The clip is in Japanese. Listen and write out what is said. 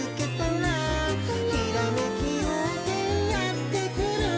「ひらめきようせいやってくる」